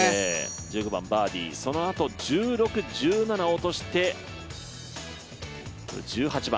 １５番、バーディー、そのあと１６、１７を落として１８番。